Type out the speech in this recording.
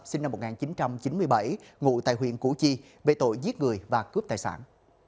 sinh năm một nghìn chín trăm chín mươi bảy ngụ tại huyện củ chi về tội giết người và cướp tài sản